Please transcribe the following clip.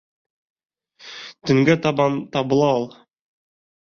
Төнгә табан табыла ул!